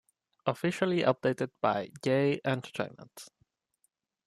Officially updated by J Entertainment.